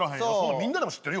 みんなでも知ってるよ？